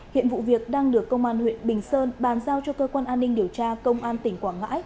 hiện vụ việc đang được công an huyện bình sơn bàn giao cho cơ quan an ninh điều tra công an tỉnh quảng ngãi